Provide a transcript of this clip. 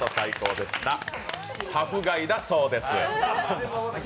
タフガイだそうです。